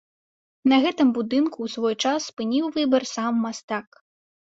На гэтым будынку ў свой час спыніў выбар сам мастак.